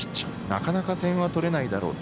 なかなか点は取れないだろう。